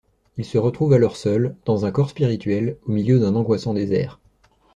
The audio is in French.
Il se retrouve alors seul, dans un corps spirituel, au milieu d’un angoissant désert.